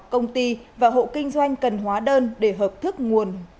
công ty và hộ kinh doanh cần hóa đơn để hợp thức nguồn